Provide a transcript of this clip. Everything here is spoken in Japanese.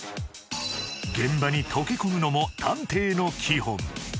現場に溶け込むのも探偵の基本